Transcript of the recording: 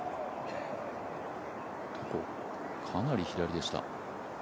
かなり左でした。